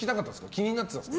気になってたんですか？